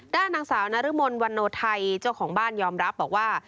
ด้านนางสาวนรมนวันโนไทยเจ้าของบ้านยอมรับบอกว่า